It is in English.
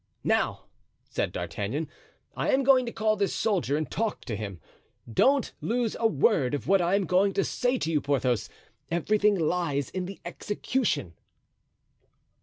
"Now," said D'Artagnan, "I am going to call this soldier and talk to him. Don't lose a word of what I'm going to say to you, Porthos. Everything lies in the execution."